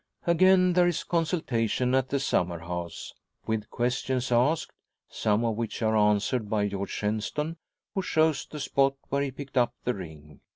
Again there is consultation at the summer house, with questions asked, some of which are answered by George Shenstone, who shows the spot where he picked up the ring.